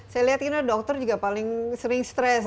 saya lihat dokter juga paling sering stress